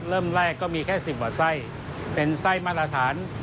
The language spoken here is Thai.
เริ่มแรกก็มีแค่๑๐กว่าไส้เป็นไส้มาตรฐาน